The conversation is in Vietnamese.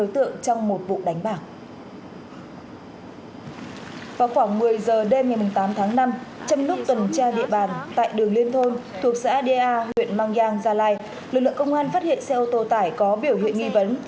trong tuần tra địa bàn tại đường liên thôn thuộc xã đê a huyện mang giang gia lai lực lượng công an phát hiện xe ô tô tải có biểu hiện nghi vấn